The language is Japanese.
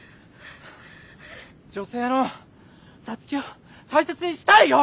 女性の皐月を大切にしたいよ。